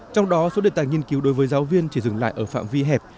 trong đó số đề tài nghiên cứu đối với giáo viên chỉ dừng lại ở phạm vi hẹp